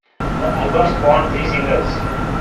The album spawned three singles.